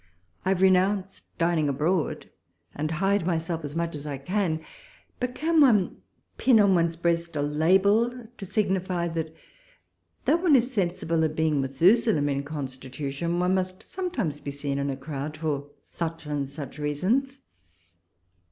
I have re nounced dining abroad, and hide myself as much as I can ; but can one pin on one's breast a label to signify, that, though one is sensible of being Methusaiem in constitution, one must sometimes be seen in a crowd for such and such reasons